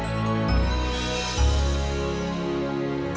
jangan lupa like subscribe dan share ya